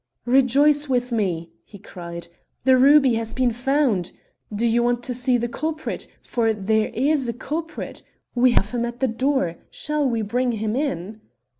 "Rejoice with me!" he cried. "The ruby has been found! Do you want to see the culprit? for there is a culprit. We have him at the door; shall we bring him in?"